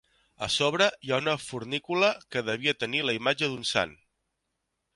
A sobre hi ha una fornícula que devia tenir la imatge d'un Sant.